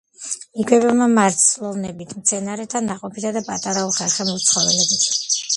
იკვებება მარცვლოვნებით, მცენარეთა ნაყოფითა და პატარა უხერხემლო ცხოველებით.